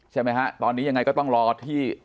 ใช่ไหมฮะตอนนี้ยังไงก็ต้องรอที่